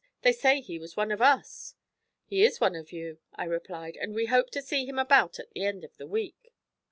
'They say he was one of us.' 'He is one of you,' I replied, 'and we hope to see him about at the end of a week.'